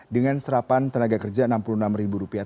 dengan serapan tenaga kerja enam puluh enam ribu rupiah